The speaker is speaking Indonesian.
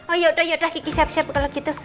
oh yaudah yaudah kiki siap siap kalau gitu